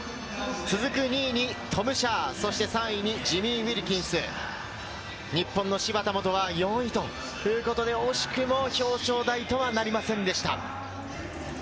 続く２位にトム・シャー、３位にジミー・ウィルキンス、日本の芝田モトは４位ということで惜しくも表彰台とはなりませんでした。